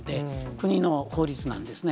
国の法律なんですね。